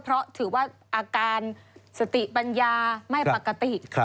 เพราะถือว่าอาการสติปัญญาไม่ปกติ